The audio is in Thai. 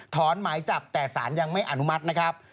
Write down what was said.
หมายจับแต่สารยังไม่อนุมัตินะครับ